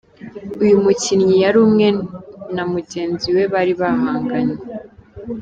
Uyu mukinnyi yarumwe na mugenzi we bari bahanganye.